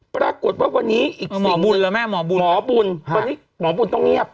ปรากฏว่าวันนี้อีกหมอบุญแล้วแม่หมอบุญหมอบุญวันนี้หมอบุญต้องเงียบ